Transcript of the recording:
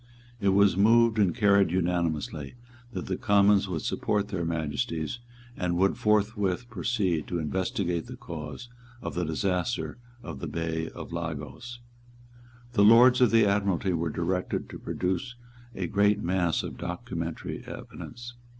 It was moved and carried unanimously, that the Commons would support their Majesties, and would forthwith proceed to investigate the cause of the disaster in the Bay of Lagos. The Lords of the Admiralty were directed to produce a great mass of documentary evidence.